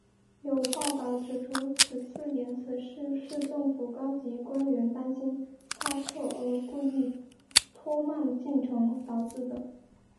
有报导指出此次延迟是市政府高级官员担心差错而故意拖慢进程导致的。